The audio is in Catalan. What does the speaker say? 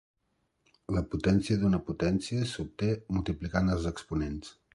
La potència d'una potència s'obté multiplicant els exponents.